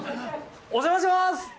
お邪魔します！